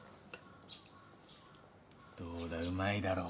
どうだ？